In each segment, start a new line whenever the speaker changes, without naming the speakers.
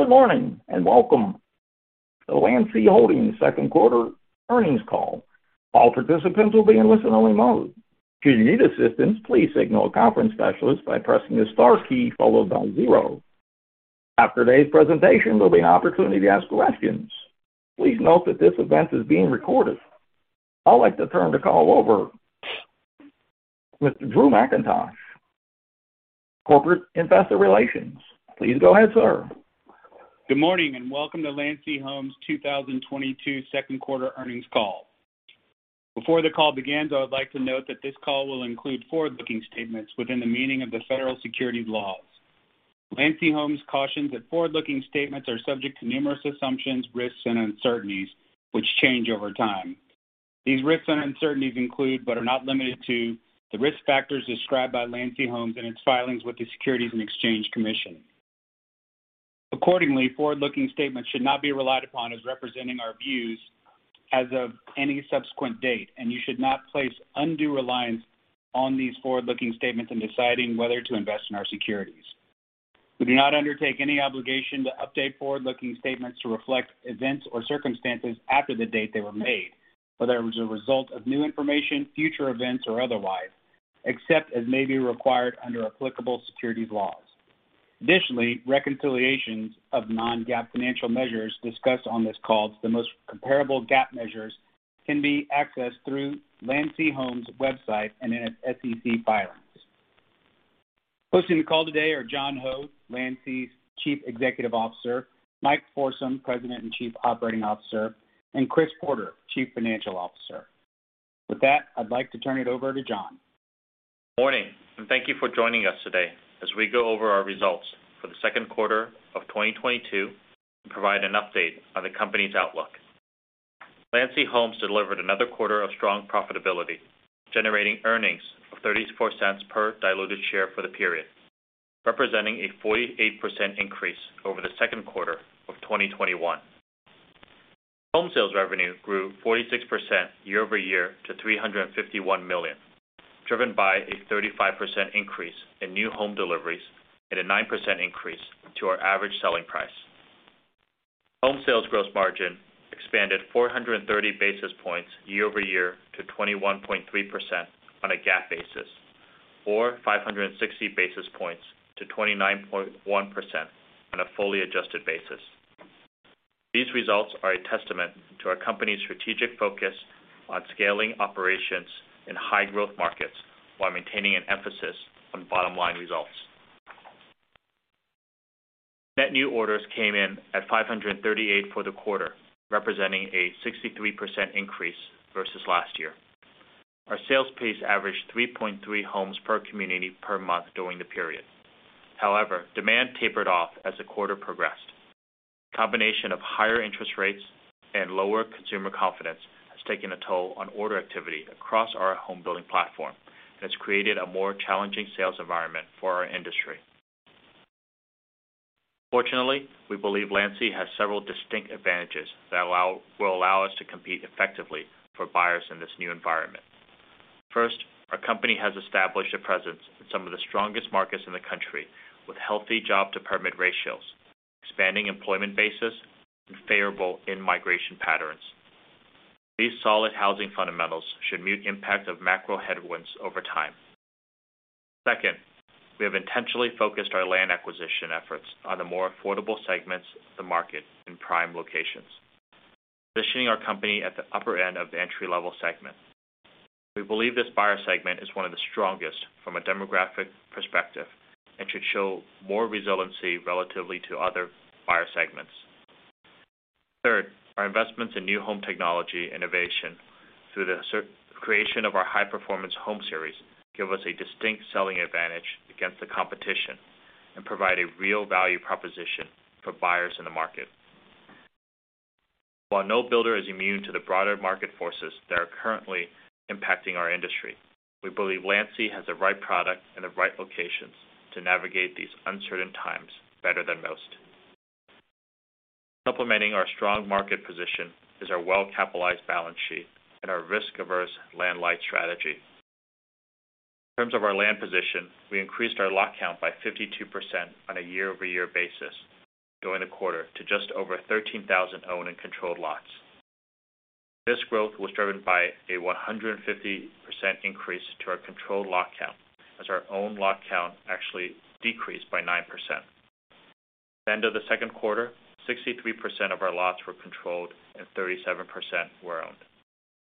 Good morning, and welcome to the Landsea Homes Second Quarter Earnings Call. All participants will be in listen-only mode. Should you need assistance, please signal a conference specialist by pressing the star key followed by zero. After today's presentation, there'll be an opportunity to ask questions. Please note that this event is being recorded. I'd like to turn the call over to Mr. Drew Mackintosh, corporate investor relations. Please go ahead, sir.
Good morning, and welcome to Landsea Homes' 2022 Second Quarter Earnings Call. Before the call begins, I would like to note that this call will include forward-looking statements within the meaning of the federal securities laws. Landsea Homes cautions that forward-looking statements are subject to numerous assumptions, risks, and uncertainties, which change over time. These risks and uncertainties include, but are not limited to, the risk factors described by Landsea Homes in its filings with the Securities and Exchange Commission. Accordingly, forward-looking statements should not be relied upon as representing our views as of any subsequent date, and you should not place undue reliance on these forward-looking statements in deciding whether to invest in our securities. We do not undertake any obligation to update forward-looking statements to reflect events or circumstances after the date they were made, whether as a result of new information, future events, or otherwise, except as may be required under applicable securities laws. Additionally, reconciliations of non-GAAP financial measures discussed on this call to the most comparable GAAP measures can be accessed through Landsea Homes' website and in its SEC filings. Hosting the call today are John Ho, Landsea's Chief Executive Officer, Mike Forsum, President and Chief Operating Officer, and Chris Porter, Chief Financial Officer. With that, I'd like to turn it over to John.
Morning, and thank you for joining us today as we go over our results for the second quarter of 2022 and provide an update on the company's outlook. Landsea Homes delivered another quarter of strong profitability, generating earnings of $0.34 per diluted share for the period, representing a 48% increase over the second quarter of 2021. Home sales revenue grew 46% YoY to $351 million, driven by a 35% increase in new home deliveries and a 9% increase to our average selling price. Home sales gross margin expanded 430 basis points YoY to 21.3% on a GAAP basis, or 560 basis points to 29.1% on a fully adjusted basis. These results are a testament to our company's strategic focus on scaling operations in high-growth markets while maintaining an emphasis on bottom-line results. Net new orders came in at 538 for the quarter, representing a 63% increase versus last year. Our sales pace averaged 3.3 homes per community per month during the period. However, demand tapered off as the quarter progressed. Combination of higher interest rates and lower consumer confidence has taken a toll on order activity across our home building platform and has created a more challenging sales environment for our industry. Fortunately, we believe Landsea has several distinct advantages that will allow us to compete effectively for buyers in this new environment. First, our company has established a presence in some of the strongest markets in the country with healthy job-to-permit ratios, expanding employment bases, and favorable in-migration patterns. These solid housing fundamentals should mute the impact of macro headwinds over time. Second, we have intentionally focused our land acquisition efforts on the more affordable segments of the market in prime locations, positioning our company at the upper end of the entry-level segment. We believe this buyer segment is one of the strongest from a demographic perspective and should show more resiliency relative to other buyer segments. Third, our investments in new home technology innovation through the creation of our High Performance Homes give us a distinct selling advantage against the competition and provide a real value proposition for buyers in the market. While no builder is immune to the broader market forces that are currently impacting our industry, we believe Landsea has the right product and the right locations to navigate these uncertain times better than most. Supplementing our strong market position is our well-capitalized balance sheet and our risk-averse land-light strategy. In terms of our land position, we increased our lot count by 52% on a YoY basis during the quarter to just over 13,000 owned and controlled lots. This growth was driven by a 150% increase to our controlled lot count as our owned lot count actually decreased by 9%. At the end of the second quarter, 63% of our lots were controlled and 37% were owned.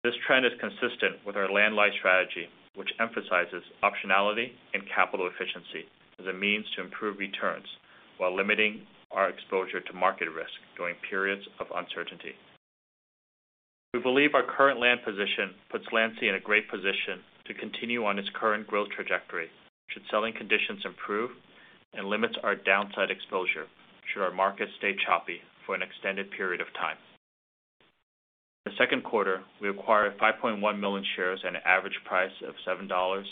This trend is consistent with our land-light strategy, which emphasizes optionality and capital efficiency as a means to improve returns while limiting our exposure to market risk during periods of uncertainty. We believe our current land position puts Landsea in a great position to continue on its current growth trajectory should selling conditions improve and limits our downside exposure should our market stay choppy for an extended period of time. In the second quarter, we acquired 5.1 million shares at an average price of $7.07.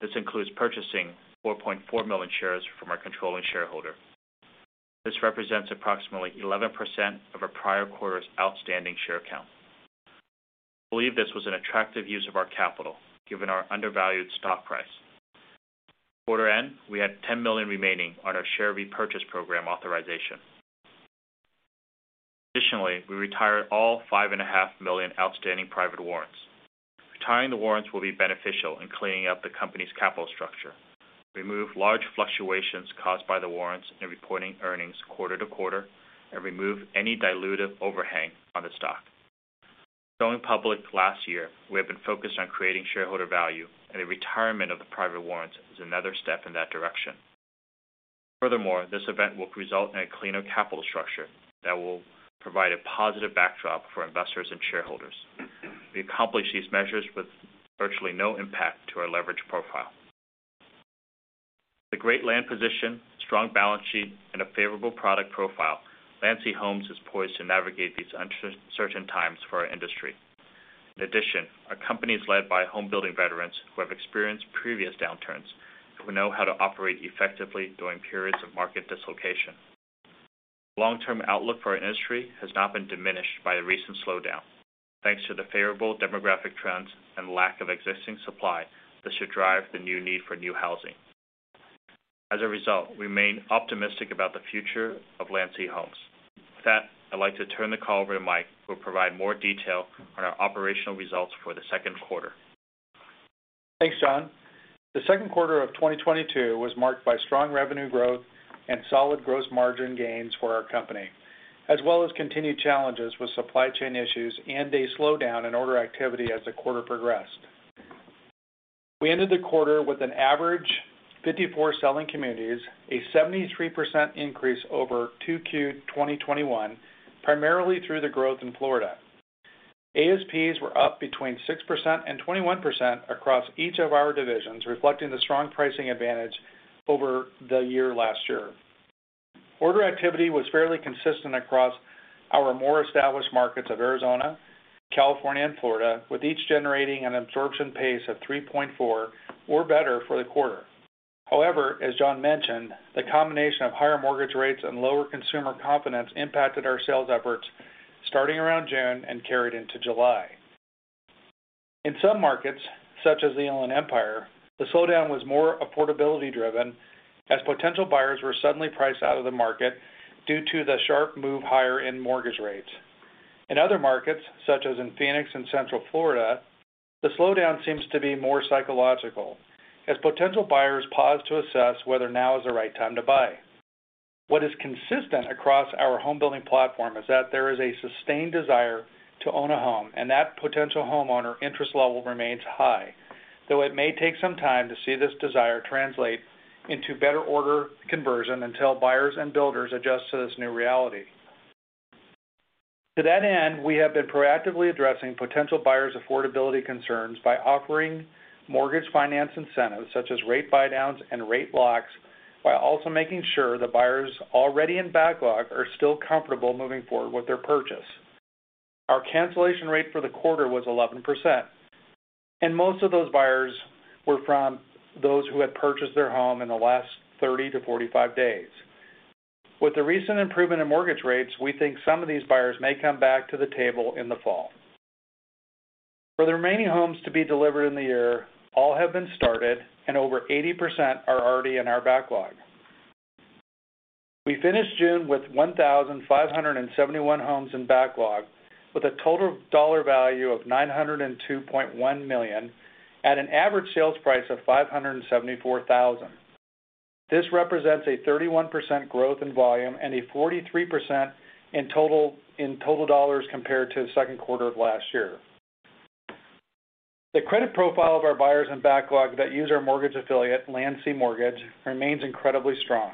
This includes purchasing 4.4 million shares from our controlling shareholder. This represents approximately 11% of our prior quarter's outstanding share count. We believe this was an attractive use of our capital, given our undervalued stock price. At quarter end, we had 10 million remaining on our share repurchase program authorization. Additionally, we retired all 5.5 million outstanding private warrants. Retiring the warrants will be beneficial in cleaning up the company's capital structure, remove large fluctuations caused by the warrants in reporting earnings quarter to quarter, and remove any dilutive overhang on the stock. Going public last year, we have been focused on creating shareholder value, and the retirement of the private warrants is another step in that direction. Furthermore, this event will result in a cleaner capital structure that will provide a positive backdrop for investors and shareholders. We accomplish these measures with virtually no impact to our leverage profile. The great land position, strong balance sheet and a favorable product profile, Landsea Homes is poised to navigate these uncertain times for our industry. In addition, our company is led by home building veterans who have experienced previous downturns, who know how to operate effectively during periods of market dislocation. Long-term outlook for our industry has not been diminished by the recent slowdown. Thanks to the favorable demographic trends and lack of existing supply, this should drive the new need for new housing. As a result, we remain optimistic about the future of Landsea Homes. With that, I'd like to turn the call over to Mike, who will provide more detail on our operational results for the second quarter.
Thanks, John. The second quarter of 2022 was marked by strong revenue growth and solid gross margin gains for our company, as well as continued challenges with supply chain issues and a slowdown in order activity as the quarter progressed. We ended the quarter with an average 54 selling communities, a 73% increase over Q2, 2021, primarily through the growth in Florida. ASPs were up between 6% and 21% across each of our divisions, reflecting the strong pricing advantage over the year last year. Order activity was fairly consistent across our more established markets of Arizona, California, and Florida, with each generating an absorption pace of 3.4 or better for the quarter. However, as John mentioned, the combination of higher mortgage rates and lower consumer confidence impacted our sales efforts starting around June and carried into July. In some markets, such as the Inland Empire, the slowdown was more affordability-driven as potential buyers were suddenly priced out of the market due to the sharp move higher in mortgage rates. In other markets, such as in Phoenix and Central Florida, the slowdown seems to be more psychological as potential buyers pause to assess whether now is the right time to buy. What is consistent across our home building platform is that there is a sustained desire to own a home, and that potential homeowner interest level remains high. Though it may take some time to see this desire translate into better order conversion until buyers and builders adjust to this new reality. To that end, we have been proactively addressing potential buyers' affordability concerns by offering mortgage finance incentives such as rate buydowns and rate locks, while also making sure the buyers already in backlog are still comfortable moving forward with their purchase. Our cancellation rate for the quarter was 11%, and most of those buyers were from those who had purchased their home in the last 30-45 days. With the recent improvement in mortgage rates, we think some of these buyers may come back to the table in the fall. For the remaining homes to be delivered in the year, all have been started and over 80% are already in our backlog. We finished June with 1,571 homes in backlog with a total dollar value of $902.1 million at an average sales price of $574,000. This represents a 31% growth in volume and a 43% in total dollars compared to the second quarter of last year. The credit profile of our buyers and backlog that use our mortgage affiliate, Landsea Mortgage, remains incredibly strong.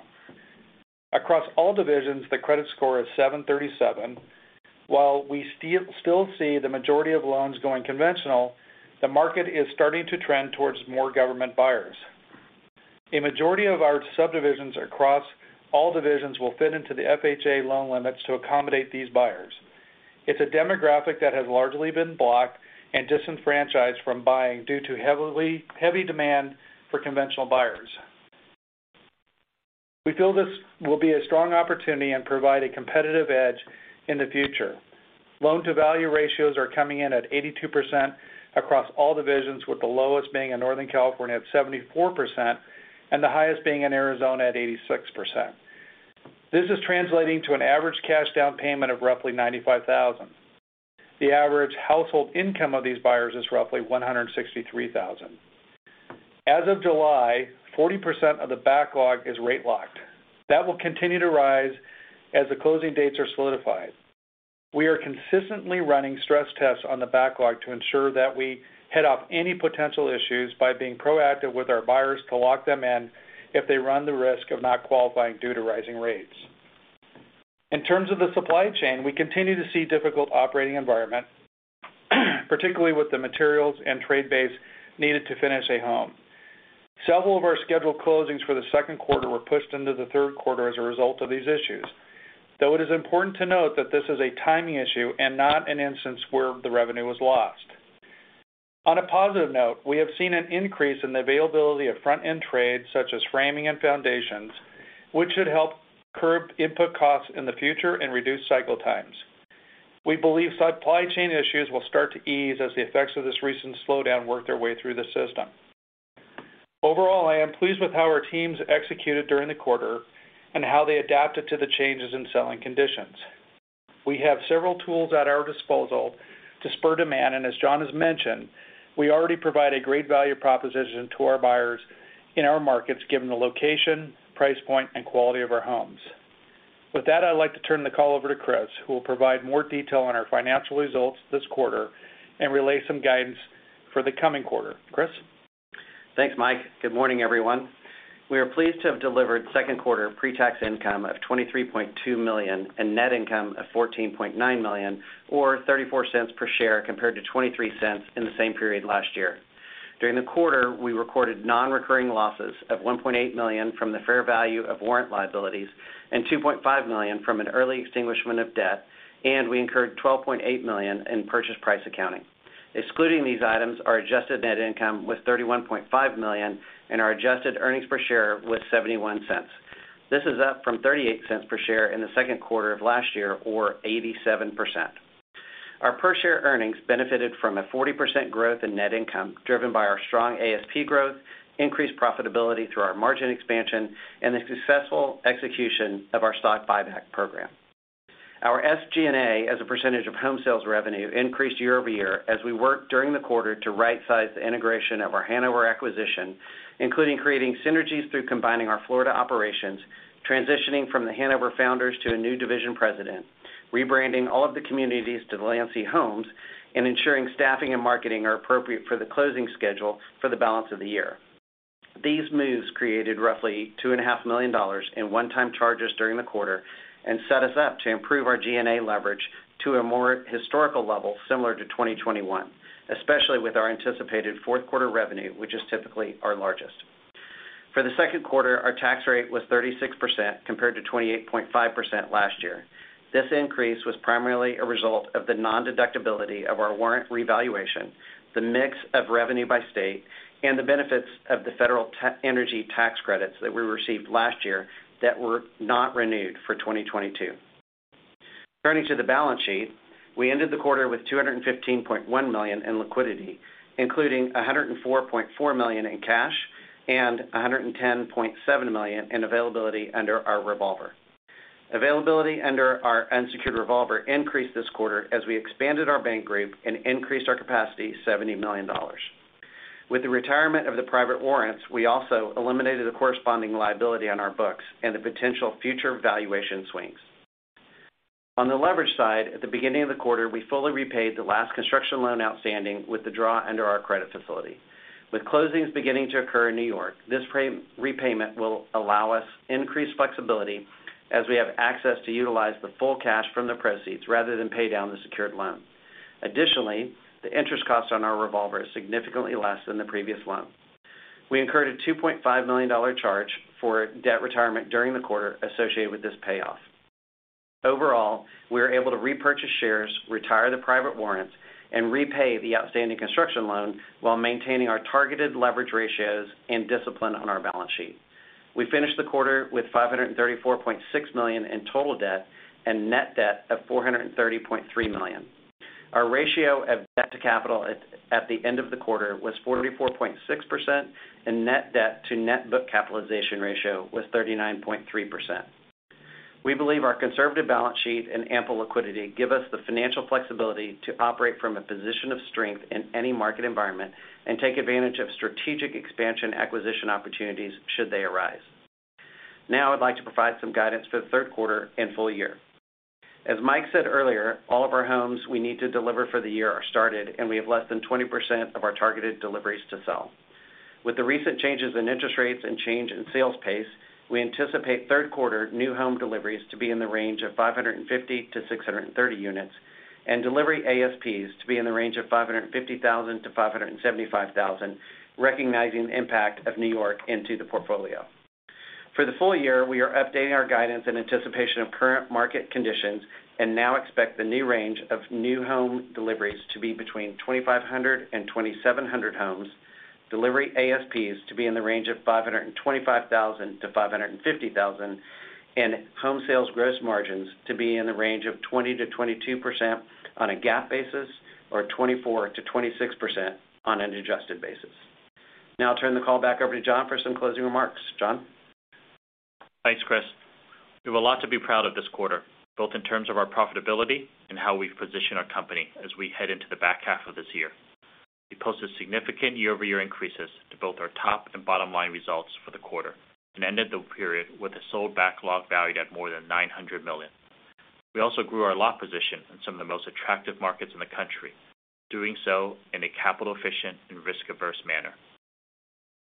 Across all divisions, the credit score is 737, while we still see the majority of loans going conventional, the market is starting to trend towards more government buyers. A majority of our subdivisions across all divisions will fit into the FHA loan limits to accommodate these buyers. It's a demographic that has largely been blocked and disenfranchised from buying due to heavy demand for conventional buyers. We feel this will be a strong opportunity and provide a competitive edge in the future. Loan to value ratios are coming in at 82% across all divisions, with the lowest being in Northern California at 74% and the highest being in Arizona at 86%. This is translating to an average cash down payment of roughly $95,000. The average household income of these buyers is roughly $163,000. As of July, 40% of the backlog is rate locked. That will continue to rise as the closing dates are solidified. We are consistently running stress tests on the backlog to ensure that we head off any potential issues by being proactive with our buyers to lock them in if they run the risk of not qualifying due to rising rates. In terms of the supply chain, we continue to see difficult operating environment, particularly with the materials and trade base needed to finish a home. Several of our scheduled closings for the second quarter were pushed into the third quarter as a result of these issues. Though it is important to note that this is a timing issue and not an instance where the revenue was lost. On a positive note, we have seen an increase in the availability of front-end trades such as framing and foundations, which should help curb input costs in the future and reduce cycle times. We believe supply chain issues will start to ease as the effects of this recent slowdown work their way through the system. Overall, I am pleased with how our teams executed during the quarter and how they adapted to the changes in selling conditions. We have several tools at our disposal to spur demand, and as John has mentioned, we already provide a great value proposition to our buyers in our markets, given the location, price point, and quality of our homes. With that, I'd like to turn the call over to Chris, who will provide more detail on our financial results this quarter and relay some guidance for the coming quarter. Chris?
Thanks, Mike. Good morning, everyone. We are pleased to have delivered second quarter pre-tax income of $23.2 million and net income of $14.9 million, or $0.34 per share, compared to $0.23 in the same period last year. During the quarter, we recorded non-recurring losses of $1.8 million from the fair value of warrant liabilities and $2.5 million from an early extinguishment of debt, and we incurred $12.8 million in purchase price accounting. Excluding these items, our adjusted net income was $31.5 million, and our adjusted earnings per share was $0.71. This is up from $0.38 per share in the second quarter of last year, or 87%. Our per-share earnings benefited from a 40% growth in net income driven by our strong ASP growth, increased profitability through our margin expansion, and the successful execution of our stock buyback program. Our SG&A as a percentage of home sales revenue increased year-over-year as we worked during the quarter to right-size the integration of our Hanover acquisition, including creating synergies through combining our Florida operations, transitioning from the Hanover founders to a new division president, rebranding all of the communities to Landsea homes, and ensuring staffing and marketing are appropriate for the closing schedule for the balance of the year. These moves created roughly $2.5 million in one-time charges during the quarter and set us up to improve our G&A leverage to a more historical level similar to 2021, especially with our anticipated fourth quarter revenue, which is typically our largest. For the second quarter, our tax rate was 36% compared to 28.5% last year. This increase was primarily a result of the non-deductibility of our warrant revaluation, the mix of revenue by state, and the benefits of the federal energy tax credits that we received last year that were not renewed for 2022. Turning to the balance sheet, we ended the quarter with $215.1 million in liquidity, including $104.4 million in cash and $110.7 million in availability under our revolver. Availability under our unsecured revolver increased this quarter as we expanded our bank group and increased our capacity $70 million. With the retirement of the private warrants, we also eliminated the corresponding liability on our books and the potential future valuation swings. On the leverage side, at the beginning of the quarter, we fully repaid the last construction loan outstanding with the draw under our credit facility. With closings beginning to occur in New York, this repayment will allow us increased flexibility as we have access to utilize the full cash from the proceeds rather than pay down the secured loan. Additionally, the interest cost on our revolver is significantly less than the previous loan. We incurred a $2.5 million charge for debt retirement during the quarter associated with this payoff. Overall, we are able to repurchase shares, retire the private warrants, and repay the outstanding construction loan while maintaining our targeted leverage ratios and discipline on our balance sheet. We finished the quarter with $534.6 million in total debt and net debt of $430.3 million. Our ratio of debt to capital at the end of the quarter was 44.6% and net debt to net book capitalization ratio was 39.3%. We believe our conservative balance sheet and ample liquidity give us the financial flexibility to operate from a position of strength in any market environment and take advantage of strategic expansion acquisition opportunities should they arise. Now I'd like to provide some guidance for the third quarter and full year. As Mike said earlier, all of our homes we need to deliver for the year are started, and we have less than 20% of our targeted deliveries to sell. With the recent changes in interest rates and change in sales pace, we anticipate third quarter new home deliveries to be in the range of 550-630 units and delivery ASPs to be in the range of $550,000-$575,000, recognizing the impact of New York into the portfolio. For the full year, we are updating our guidance in anticipation of current market conditions and now expect the new range of new home deliveries to be between 2,500-2,700 homes, delivery ASPs to be in the range of $525,000-$550,000, and home sales gross margins to be in the range of 20%-22% on a GAAP basis, or 24%-26% on an adjusted basis. Now I'll turn the call back over to John for some closing remarks. John?
Thanks, Chris. We have a lot to be proud of this quarter, both in terms of our profitability and how we position our company as we head into the back half of this year. We posted significant year-over-year increases to both our top and bottom line results for the quarter and ended the period with a sold backlog valued at more than $900 million. We also grew our lot position in some of the most attractive markets in the country, doing so in a capital-efficient and risk-averse manner.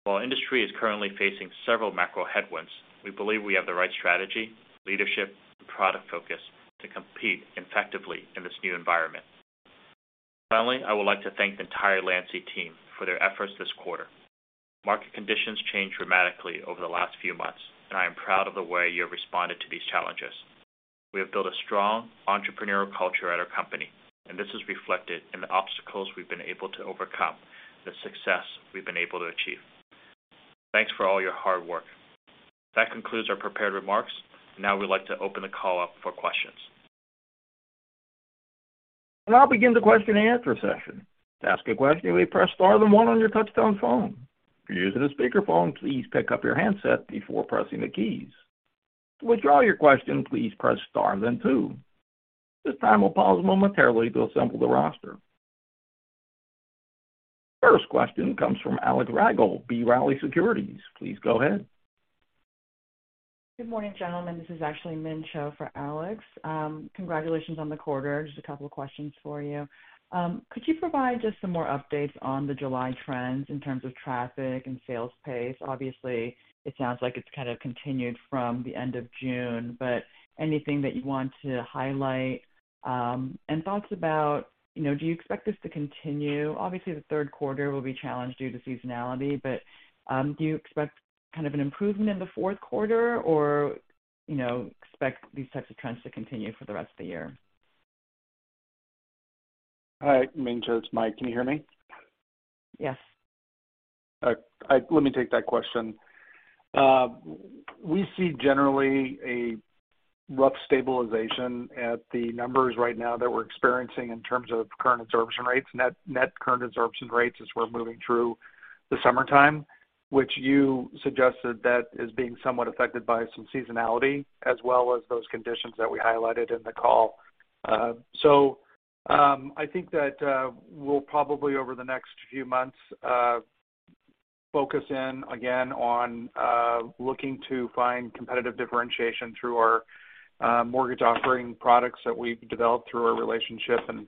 While industry is currently facing several macro headwinds, we believe we have the right strategy, leadership, and product focus to compete effectively in this new environment. Finally, I would like to thank the entire Landsea team for their efforts this quarter. Market conditions changed dramatically over the last few months, and I am proud of the way you have responded to these challenges. We have built a strong entrepreneurial culture at our company, and this is reflected in the obstacles we've been able to overcome, the success we've been able to achieve. Thanks for all your hard work. That concludes our prepared remarks. Now we'd like to open the call up for questions.
I'll begin the question and answer session. To ask a question, please press star then one on your touchtone phone. If you're using a speakerphone, please pick up your handset before pressing the keys. To withdraw your question, please press star then two. This time we'll pause momentarily to assemble the roster. First question comes from Alex Rygiel, B. Riley Securities. Please go ahead.
Good morning, gentlemen. This is actually Min Cho for Alex. Congratulations on the quarter. Just a couple of questions for you. Could you provide just some more updates on the July trends in terms of traffic and sales pace? Obviously, it sounds like it's kind of continued from the end of June, but anything that you want to highlight? And thoughts about, you know, do you expect this to continue? Obviously, the third quarter will be challenged due to seasonality, but, do you expect kind of an improvement in the fourth quarter or, you know, expect these types of trends to continue for the rest of the year?
Hi, Min Cho, it's Mike. Can you hear me?
Yes.
All right. Let me take that question. We see generally a rough stabilization at the numbers right now that we're experiencing in terms of current absorption rates, net current absorption rates as we're moving through the summertime, which you suggested that is being somewhat affected by some seasonality as well as those conditions that we highlighted in the call. I think that we'll probably over the next few months focus in again on looking to find competitive differentiation through our mortgage offering products that we've developed through our relationship and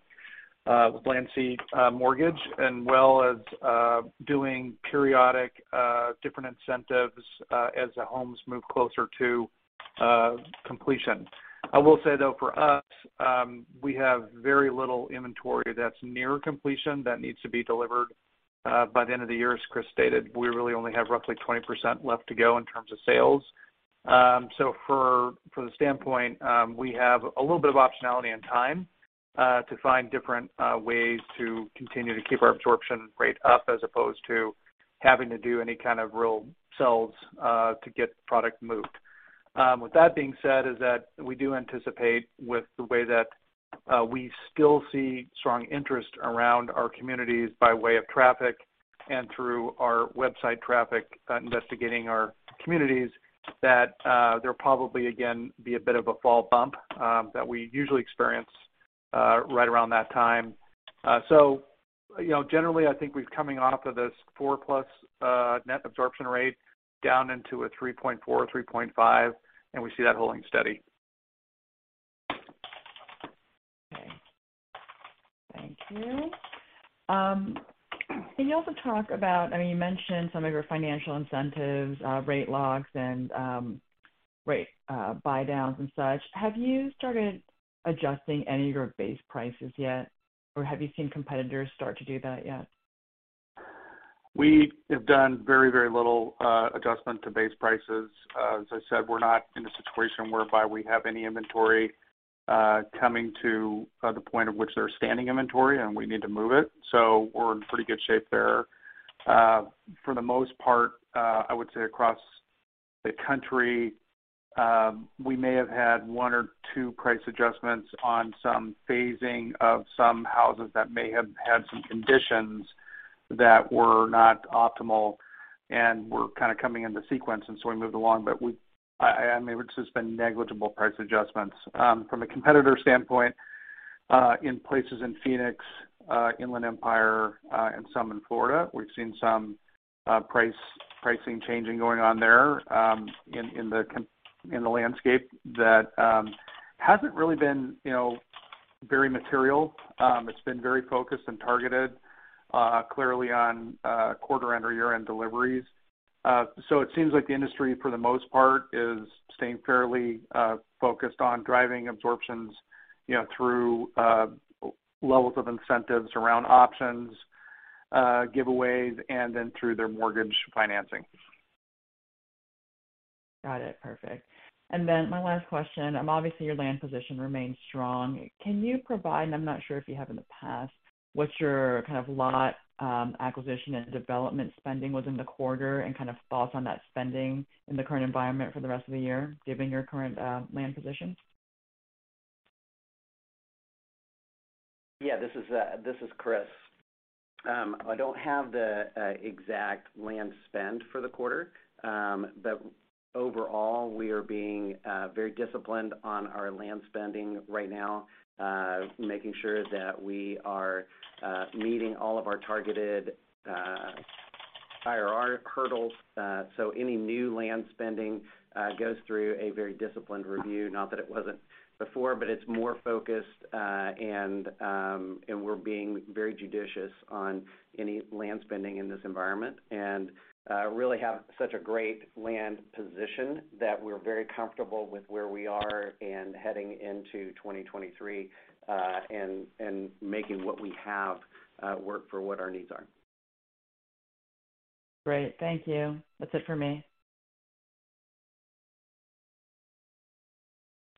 with Landsea Mortgage, as well as doing periodic different incentives as the homes move closer to completion. I will say, though, for us, we have very little inventory that's near completion that needs to be delivered by the end of the year, as Chris stated. We really only have roughly 20% left to go in terms of sales. From the standpoint, we have a little bit of optionality and time to find different ways to continue to keep our absorption rate up as opposed to having to do any kind of real sales to get product moved. With that being said, that we do anticipate with the way that we still see strong interest around our communities by way of traffic and through our website traffic investigating our communities, that there'll probably, again, be a bit of a fall bump that we usually experience right around that time. you know, generally I think we're coming off of this 4+ net absorption rate down into a 3.4-3.5, and we see that holding steady.
Okay. Thank you. Can you also talk about, I mean, you mentioned some of your financial incentives, rate locks and rate buydowns and such. Have you started adjusting any of your base prices yet? Or have you seen competitors start to do that yet?
We have done very, very little adjustment to base prices. As I said, we're not in a situation whereby we have any inventory coming to the point at which they're standing inventory, and we need to move it. We're in pretty good shape there. For the most part, I would say across the country, we may have had one or two price adjustments on some phasing of some houses that may have had some conditions that were not optimal and were kind of coming into sequence, and so we moved along. I mean, it's just been negligible price adjustments. From a competitor standpoint, in places in Phoenix, Inland Empire, and some in Florida, we've seen some pricing changing going on there, in the landscape that hasn't really been, you know, very material. It's been very focused and targeted, clearly on quarter end or year-end deliveries. It seems like the industry for the most part is staying fairly focused on driving absorptions, you know, through levels of incentives around options, giveaways, and then through their mortgage financing.
Got it. Perfect. My last question, obviously your land position remains strong. Can you provide, I'm not sure if you have in the past, what's your kind of lot acquisition and development spending within the quarter and kind of thoughts on that spending in the current environment for the rest of the year, given your current land position?
Yeah. This is Chris. I don't have the exact land spend for the quarter. Overall, we are being very disciplined on our land spending right now, making sure that we are meeting all of our targeted IRR hurdles. Any new land spending goes through a very disciplined review. Not that it wasn't before, but it's more focused, and we're being very judicious on any land spending in this environment and really have such a great land position that we're very comfortable with where we are and heading into 2023, and making what we have work for what our needs are.
Great. Thank you. That's it for me.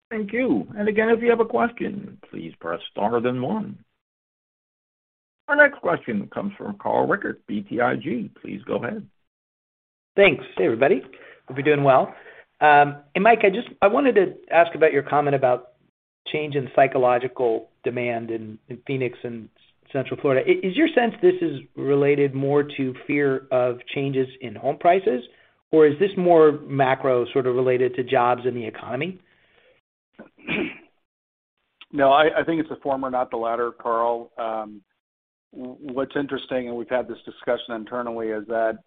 Thank you. Again, if you have a question, please press star then one. Our next question comes from Carl Reichardt, BTIG. Please go ahead.
Thanks. Hey, everybody. Hope you're doing well. Mike, I wanted to ask about your comment about change in psychological demand in Phoenix and Central Florida. Is your sense this is related more to fear of changes in home prices? Or is this more macro sort of related to jobs in the economy?
No, I think it's the former, not the latter, Carl. What's interesting, and we've had this discussion internally, is that,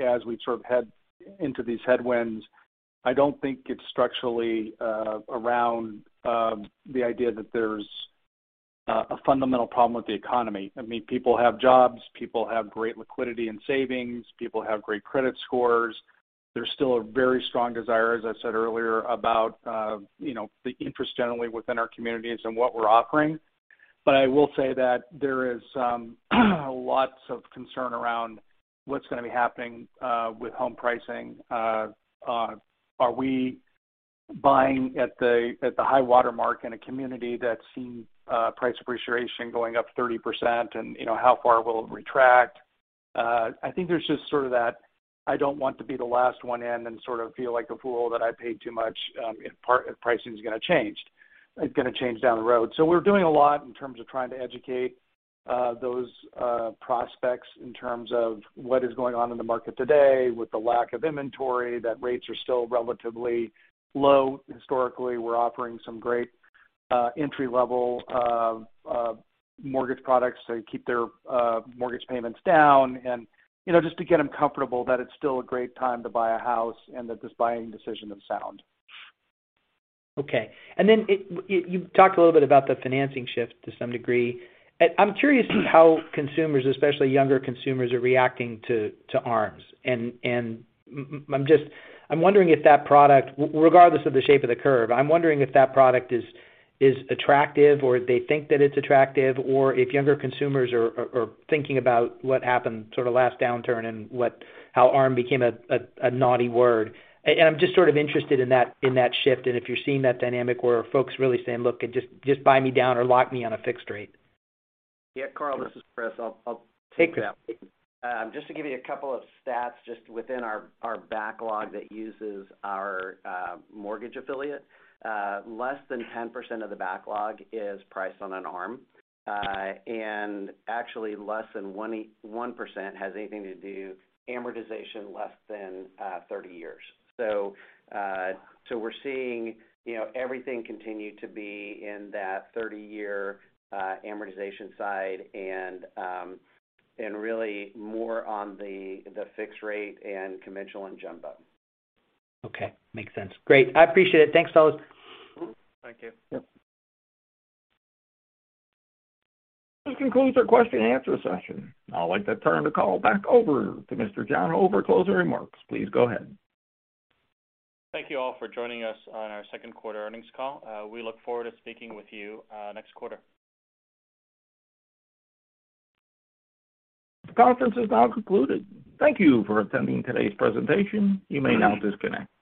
as we sort of head into these headwinds, I don't think it's structurally around the idea that there's a fundamental problem with the economy. I mean, people have jobs, people have great liquidity, and savings, people have great credit scores. There's still a very strong desire, as I said earlier, about, you know, the interest generally within our communities and what we're offering. I will say that there is lots of concern around what's gonna be happening with home pricing. Are we buying at the high water mark in a community that's seen price appreciation going up 30% and, you know, how far will it retract? I think there's just sort of that, I don't want to be the last one in and sort of feel like a fool that I paid too much if pricing is gonna change. It's gonna change down the road. We're doing a lot in terms of trying to educate those prospects in terms of what is going on in the market today with the lack of inventory, that rates are still relatively low historically. We're offering some great entry-level mortgage products to keep their mortgage payments down and, you know, just to get them comfortable that it's still a great time to buy a house and that this buying decision is sound.
Okay. You talked a little bit about the financing shift to some degree. I'm curious how consumers, especially younger consumers, are reacting to ARMs. I'm wondering if that product, regardless of the shape of the curve, is attractive or they think that it's attractive or if younger consumers are thinking about what happened sort of last downturn and how ARM became a naughty word. I'm just sort of interested in that shift and if you're seeing that dynamic where folks really saying, Look, just buy me down or lock me on a fixed rate.
Yeah, Carl, this is Chris. I'll take that. Just to give you a couple of stats just within our backlog that uses our mortgage affiliate, less than 10% of the backlog is priced on an ARM. And actually less than 1% has anything to do with amortization less than 30 years. We're seeing, you know, everything continue to be in that 30-year amortization side and really more on the fixed rate and conventional and jumbo.
Okay. Makes sense. Great. I appreciate it. Thanks, fellas.
Thank you.
This concludes our question and answer session. I would like to turn the call back over to Mr. John Ho for closing remarks. Please go ahead.
Thank you all for joining us on our second quarter earnings call. We look forward to speaking with you next quarter.
This conference is now concluded. Thank you for attending today's presentation. You may now disconnect.